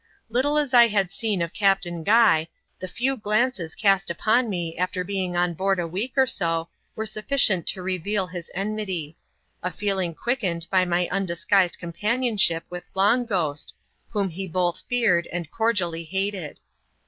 little as I had seen of Captain Guy, the few glances cast upon me after being on board a week or so, w^e sufficient to reveal his enmity — a feeling quickened by my undisguised com panionship with Long Ghost, whom he both feared and cor dially hated.